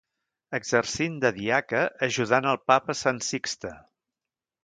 Exercint de diaca ajudant el papa Sant Sixte.